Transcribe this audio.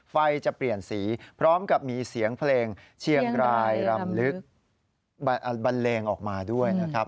ไฟจะเปลี่ยนสีพร้อมกับมีเสียงเพลงเชียงรายรำลึกบันเลงออกมาด้วยนะครับ